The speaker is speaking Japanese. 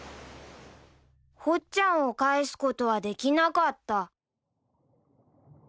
［ほっちゃんをかえすことはできなかった］